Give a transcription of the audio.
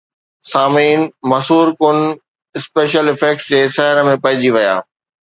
سامعين مسحور کن special effects جي سحر ۾ پئجي ويا